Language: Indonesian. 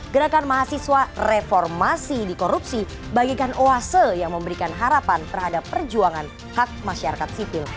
gerakan mahasiswa reformasi di korupsi bagaikan oase yang memberikan harapan terhadap perjuangan hak masyarakat sipil